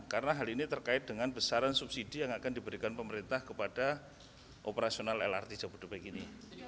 karena hal ini terkait dengan besaran subsidi yang akan diberikan pemerintah kepada operasional lrt jabodebek ini